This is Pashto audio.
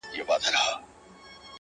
مینه کي اور بلوې ما ورته تنها هم پرېږدې”